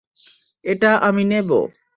এটা আমি নেব।